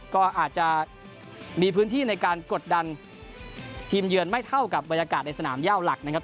ก็อาจจะมีพื้นที่ในการกดดันทีมเยือนไม่เท่ากับบรรยากาศในสนามย่าวหลักนะครับ